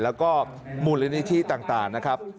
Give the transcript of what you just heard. แล้วก็มูลนิธิต่างนะครับ